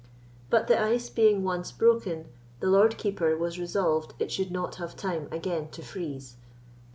But the ice being once broken, the Lord Keeper was resolved it should not have time again to freeze.